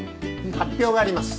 発表があります。